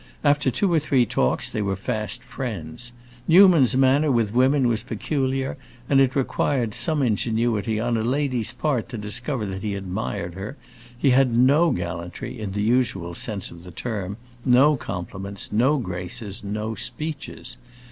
After two or three talks they were fast friends. Newman's manner with women was peculiar, and it required some ingenuity on a lady's part to discover that he admired her. He had no gallantry, in the usual sense of the term; no compliments, no graces, no speeches.